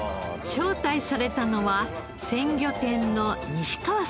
招待されたのは鮮魚店の西川さんです。